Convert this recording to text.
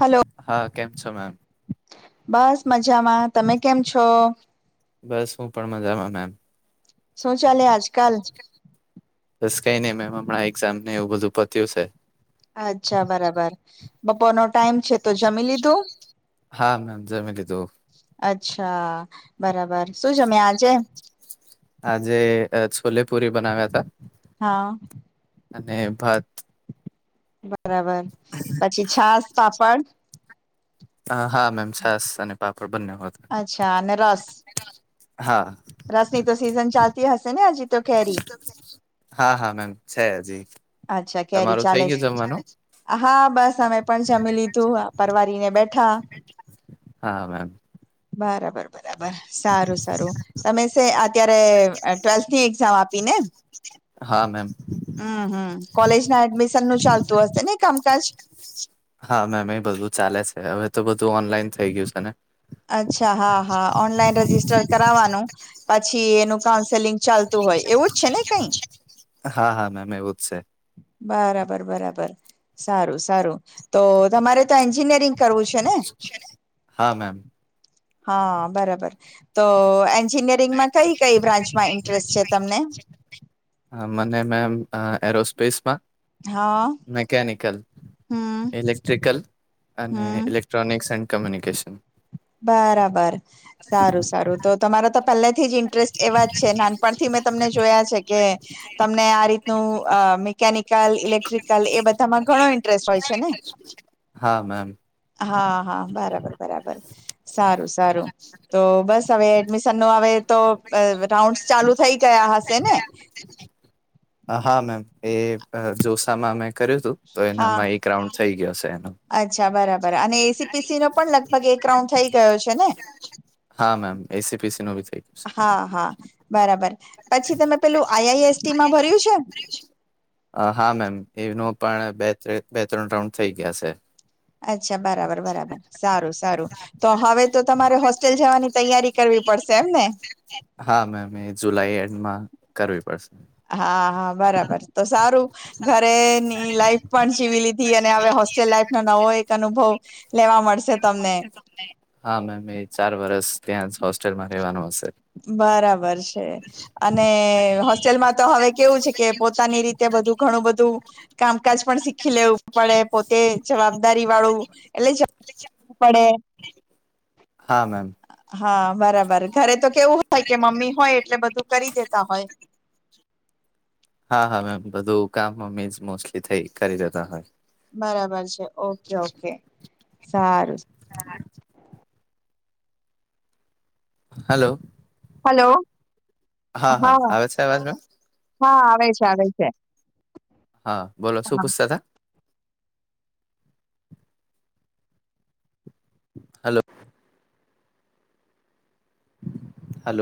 Hello હા કેમ છો મેમ બસ મજામાં તમે કેમ છો બસ હું પણ મજામાં મેમ શૌચાલય આજકાલ બસ કઈ નઈ મેમ હમણા એક્ઝામ ને એવું બધું પત્યું હ છે અચ્છા બરાબર બપોરનોો ટાઈમ છે તો જમી લીધું જમીલી તોું અચ્છા બરાબર શું જમ આજે આજે છોલેપુરી બનાવ્યા હતા હા અને ભાત બરાબર પછી છાસ પાપડ હ હા મેમ છા નને પાપ અચ્છા અને રસ હા રસ ની તો સીઝન ચાલતી હશે ને હજી તો કેરી [inaudible] હા હા મેમ છે હ જ અચ્છા કેરી ચાલે હા બસ અમે પણ જમી લીધું પરવારીને બેઠા હા મેમ બરાબર બરાબર સારું સારું તમે છે અત્યારે ટ્વેલ્થ ની એક્ઝામ આપ પને હા મેમ કોલેજ ના એડમિશન નું ચાલતું હશે ને કામકાજ હા મેમ એ બધું ચાલે છે હવે તો બધું ઓનલાઈન થઈ ગયું છે ને અચ્છા હા હા ઓનલાઈન રજિસ્ટર કરાવવાનું પછી એનું કાઉન્સેલિંગ ચાલતું હોય એવું જ છે ને કઈ હા હા મેમ એવું જ છે બરાબર બરાબર સારું સારું તો તમારે એન્જિનિયરિંગ કરવું છે ને હા મેમ હા બરાબર તો એ એન્જિનિયરિંગમાં કઈ કઈ બ્રાન્ચમાં ઇન્ટરેસ્ટ છે તમને મને મેમ એરોસ્પેસમાં હા મેકેનિકલ હમ ઇલેક્ટ્રિકલ અને હમ ઇલેક્ટ્રોનિકસ એન્ડ કમ્યુનિકેશન બરાબર સારું સારું તો તમારા તો પહેલા થી જ ઇન્ટરેસ્ટ એવા જ છે નાનપણથી મેં તમને જોયા છે કે તમને આ રીતનું અ મિકેનિકલ ઇલેક્ટ્રિકલ એ બધામાં ઘણો ઇન્ટરેસ્ટ હોય છે ને. હા મેમ. હા હા બરાબર બરાબર. સારું સારું તો બસ હવે એડમિશન નું હ તો રાઉન્ડ ચાલુ થાય થઈ ગયા હશે ને. હા મેમ એ જોસામાં મે કર્યું હતું તો હા એનામાં એક રાઉન્ડ થઈ ગયો છે એનો. પીસી નો પણ લગભગ એક રાઉન્ડ થઈ ગયો છે ને. હા ma'am A C P C નું ભી થઇ ગયું હા હા છે. બરાબર પછી તમે પેલું આઈ આઈ એસ ટી માં ભર્યું છે. હા મેમ એનું પણ બે બે ત્રણ રાઉન્ડ થઈ ગયા છે. અચ્છા બરાબર બરાબર સારું સારું તો હવે તો તમારે હોસ્ટેલ જવાની તૈયારી કરવી પડશે. ને. હા મેમ એ જુલાઈ એન્ડમાં કરવી પડશે. હા. હા બરાબર તો સારું ઘરેની લાઈફ પણ જીવી લીધી અને હવે હોસ્ટેલ લાઈફ ન વો એક અનુભવ લેવા મળશે તમને. હા મેમ એ ચાર વરષ ત્યાં હોસ્ટેલમાં રહેવાનું હશે. બરાબર છે અને હોસ્ટેલમાં તો હવે કેવું છે કે પોતાની રીતે બધું ઘણું બધું કામકાજ પણ શીખી લેવું પડે પોતે જવાબદારી વાળું એટલે જું પડે. હા મેમ. હા બરાબર ઘરે તો કેવું હોય કે મમ્મી હોય એટલે બધું કરી જેતા હોય. હા હા મેમ બધું કામ મમી મોસ્ટલી થઈ કરી દેતા હોય. બરાબર છે ઓકે ઓકે સારું. હલો. હલો. હા હા આવે છે અવાજમાં મેમ. હા આવે છે આવે છે. હા બોલો શું હા પૂછતા હતા. હલો. હલો.